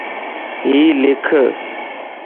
ھيَ لک